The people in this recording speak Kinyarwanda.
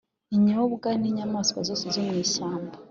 Inyobwa n inyamaswa zose zo mu ishyamba